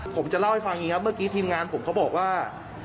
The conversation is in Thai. ผมจะเล่าให้ฟังอย่างนี้ครับเมื่อกี้ทีมงานผมเขาบอกว่า